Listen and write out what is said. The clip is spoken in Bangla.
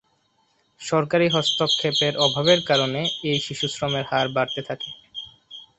সরকারি হস্তক্ষেপের অভাবের কারণে, এই শিশুশ্রমের হার বাড়তে থাকে।